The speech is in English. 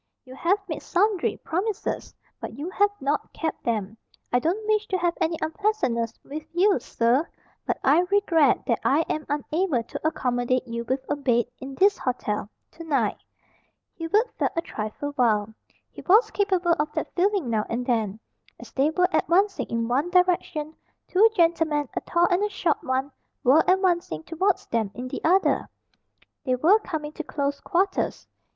You have made sundry promises, but you have not kept them. I don't wish to have any unpleasantness with you, sir, but I regret that I am unable to accommodate you with a bed, in this hotel, to night." Hubert felt a trifle wild. He was capable of that feeling now and then. As they were advancing in one direction, two gentlemen, a tall and a short one, were advancing towards them in the other. They were coming to close quarters.